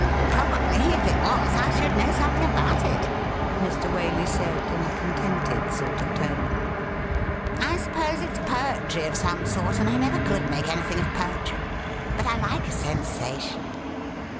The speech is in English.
' Probably if it was I should know something about it,' Mr. Waley said, in a contented sort of tone. ' I suppose SIR FRANCIS ROSE 137 it's poetry of some sort, and I never could make anything of poetry. But I like a sensation.'